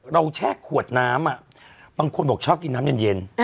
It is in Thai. แช่ขวดน้ำบางคนบอกชอบกินน้ำเย็น